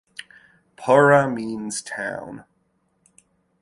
Pura means town.